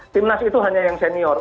timnas itu hanya yang senior